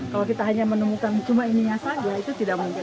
kalau kita hanya menemukan cuma ininya saja itu tidak mungkin